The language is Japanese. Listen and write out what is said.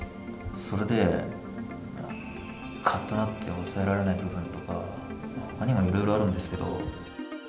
それでかっとなって抑えられない部分とか、ほかにもいろいろあるんですけど。